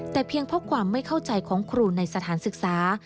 แต่เพียงเพราะความไม่เข้าใจของครูในสถานศึกษา